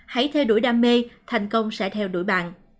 hãy theo đuổi đam mê thành công sẽ theo đuổi bạn